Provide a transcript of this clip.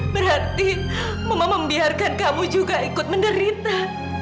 berarti mama membiarkan kamu juga ikut menderita